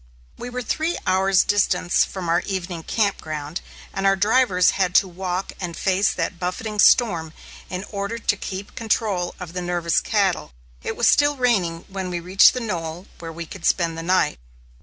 We were three hours' distance from our evening camp ground and our drivers had to walk and face that buffeting storm in order to keep control of the nervous cattle. It was still raining when we reached the knoll where we could spend the night.